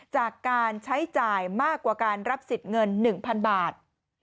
จากการใช้จ่ายมากกว่าการรับสิทธิ์เงิน๑๐๐๐บาท